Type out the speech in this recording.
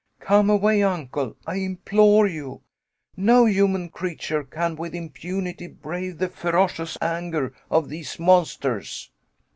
Come away, Uncle, I implore you. No human creature can with impunity brave the ferocious anger of these monsters."